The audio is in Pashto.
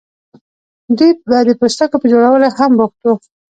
دوی به د پوستکو په جوړولو هم بوخت وو.